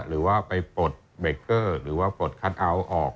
หรือว่าไปปลดเบรกเกอร์หรือว่าปลดคัทเอาท์ออก